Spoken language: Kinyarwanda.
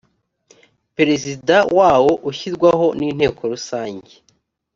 perezida wawo ushyirwaho n inteko rusange